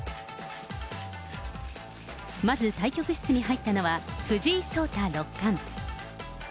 まず対局室に入ったのは、藤井聡太六冠。